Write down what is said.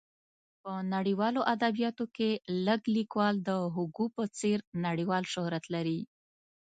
په نړیوالو ادبیاتو کې لږ لیکوال د هوګو په څېر نړیوال شهرت لري.